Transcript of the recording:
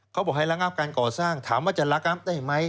เขาบอกให้ระงับการก่อสร้างถามว่าจะระงับได้ไหม